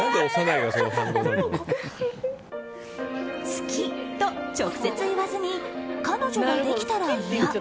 好きと直接言わずに彼女ができたらいや。